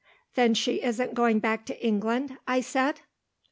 '" "Then she isn't going back to England?" I said.